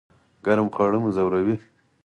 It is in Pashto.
ګرم خواړه مو ځوروي؟